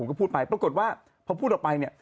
ก็พูดไปปรากฏว่าพอพูดออกไปเนี่ย